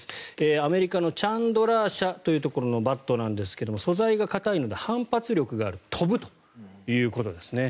アメリカのチャンドラー社というところのバットなんですが素材が硬いので反発力がある飛ぶということですね。